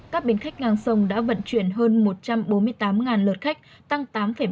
các bến khách ngang sông đã vận chuyển hơn một trăm bốn mươi tám lượt khách tăng tám ba